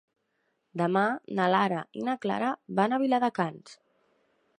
Demà na Lara i na Clara van a Viladecans.